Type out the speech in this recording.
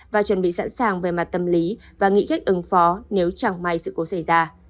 và chuẩn bị sẵn sàng về mặt tâm lý và nghĩ cách ứng phó nếu chẳng may sự cố xảy ra